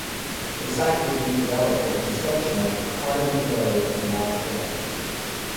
The site was redeveloped for the construction of Cardigan Road and large villas.